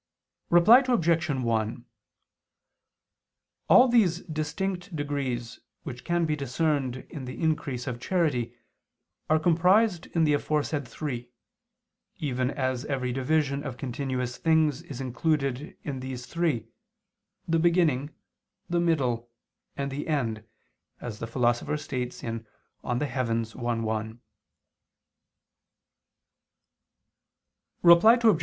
Reply Obj. 1: All these distinct degrees which can be discerned in the increase of charity, are comprised in the aforesaid three, even as every division of continuous things is included in these three the beginning, the middle, and the end, as the Philosopher states (De Coelo i, 1). Reply Obj.